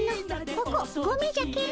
ここゴミじゃケン。